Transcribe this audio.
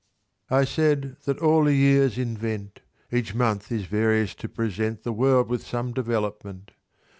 I said that "all the years invent; Each month is various to present The world with some development.